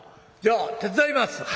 じゃあ手伝います！」。